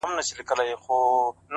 زمـا مــاسوم زړه